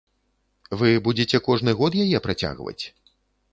Вы будзеце кожны год яе працягваць?